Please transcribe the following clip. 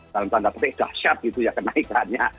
dalam tanda petik dahsyat gitu ya kenaikannya